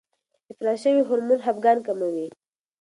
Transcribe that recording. افراز شوی هورمون خپګان کموي.